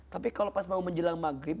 tapi kalau pas mau menjelang maghrib